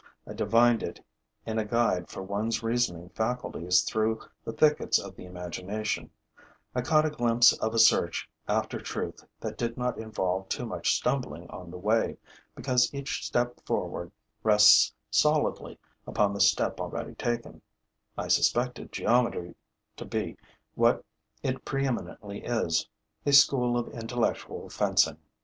I divined in it a guide for one's reasoning faculties through the thickets of the imagination; I caught a glimpse of a search after truth that did not involve too much stumbling on the way, because each step forward rests solidly upon the step already taken; I suspected geometry to be what it preeminently is: a school of intellectual fencing.